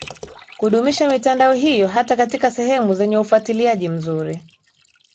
kudumisha mitandao hiyo Hata katika sehemu zenye ufuatiliaji mzuri